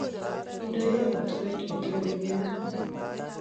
Indoywa kot koit betut ne iyanat